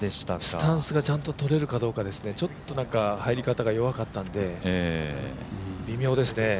スタンスがちゃんととれるかどうですね、ちょっと入り方が緩かったので微妙ですね。